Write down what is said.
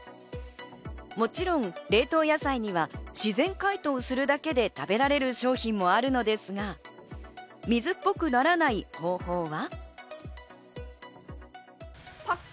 もちろん冷凍野菜には自然解凍するだけで食べられる商品もあるのですが水っぽくならない方法は？